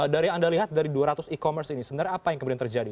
dari yang anda lihat dari dua ratus e commerce ini sebenarnya apa yang kemudian terjadi